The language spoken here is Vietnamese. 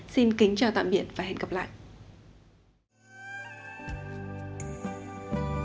xin kính chào tạm biệt và hẹn gặp lại